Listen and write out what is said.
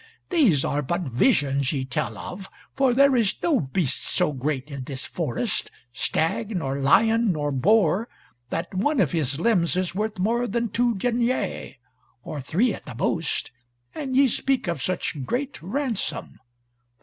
These are but visions ye tell of, for there is no beast so great in this forest, stag, nor lion, nor boar, that one of his limbs is worth more than two deniers, or three at the most, and ye speak of such great ransom.